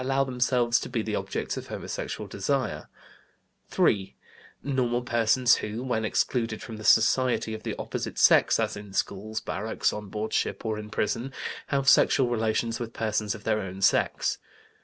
allow themselves to be the objects of homosexual desire; (3) normal persons who, when excluded from the society of the opposite sex, as in schools, barracks, on board ship, or in prison, have sexual relations with persons of their own sex.